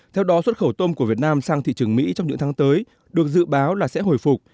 theo đó xuất khẩu tôm của việt nam sang thị trường mỹ trong những tháng tới được dự báo là sẽ hồi phục